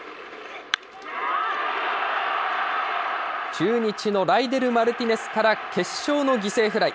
中日のライデル・マルティネスから決勝の犠牲フライ。